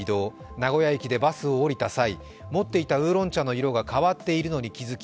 名古屋駅でバスを降りた際、持っていたウーロン茶の色が変わっているのに気付き